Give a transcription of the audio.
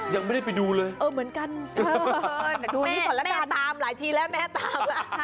ยังไม่ได้ไปดูเลยนะฮะมือดูแม่ตามหลายทีแล้วแม่ตามละ